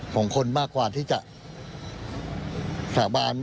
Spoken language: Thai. ของคนมากกว่าที่จะสาบาน